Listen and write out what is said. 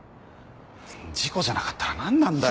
事故じゃなかったら何なんだよ。